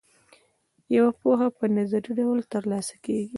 یوه پوهه په نظري ډول ترلاسه کیږي.